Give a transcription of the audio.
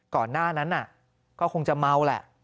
ก่อนหน้านั้นก็คงจะเมาแหละ